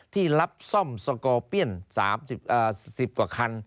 ที่รับซ่อมสกอร์เปี้ยน๓๐กว่าคัน